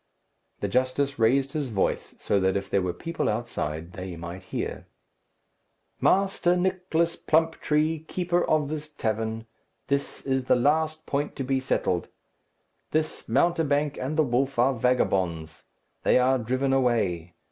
The justice raised his voice, so that if there were people outside, they might hear. "Master Nicless Plumptree, keeper of this tavern, this is the last point to be settled. This mountebank and the wolf are vagabonds. They are driven away.